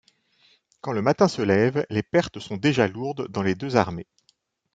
Quand le matin se lève, les pertes sont déjà lourdes dans les deux armées.